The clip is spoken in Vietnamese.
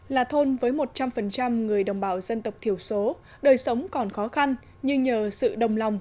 là thôn với một trăm linh người đồng bào dân tộc thiểu số đời sống còn khó khăn nhưng nhờ sự đồng lòng